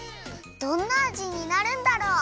どんなあじになるんだろう？